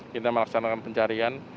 kita melaksanakan pencarian